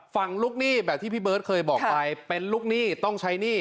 ฝั่งลูกหนี้แบบที่พี่เบิร์ตเคยบอกไปเป็นลูกหนี้ต้องใช้หนี้